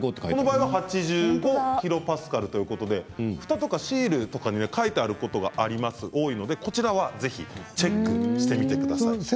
この場合は８５キロパスカルということでふたやシールに書いてあることが多いですのでチェックしてみてください。